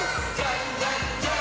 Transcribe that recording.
「じゃんじゃん！